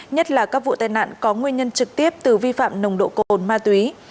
nhất là các vụ tai nạn có nguyên nhân trực tiếp từ vi phạm nồng độ cồn ma túy